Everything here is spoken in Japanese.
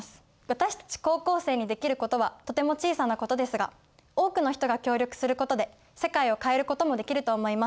私たち高校生にできることはとても小さなことですが多くの人が協力することで世界を変えることもできると思います。